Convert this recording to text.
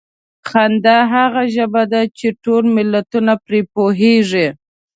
خندا هغه ژبه ده چې ټول ملتونه پرې پوهېږي.